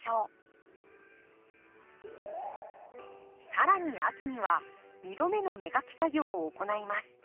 更に秋には２度目の芽かき作業を行います。